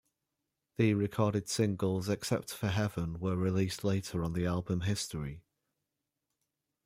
The recorded singles, except for "Heaven", were released later on the album "History".